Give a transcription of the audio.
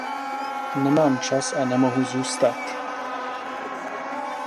Nemám čas a nemohu zůstat.